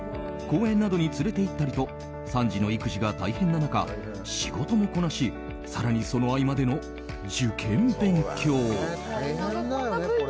公園などに連れていったりと３児の育児が大変な中仕事もこなし更に、その合間での受験勉強。